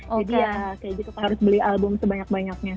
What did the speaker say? jadi ya kayak gitu harus beli album sebanyak banyaknya